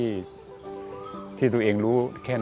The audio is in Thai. ทำด้วยความรู้ของตัวเองที่ตัวเองรู้แค่นั้น